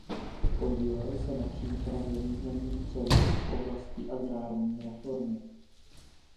Podílel se na přípravě významných předloh v oblasti agrární reformy.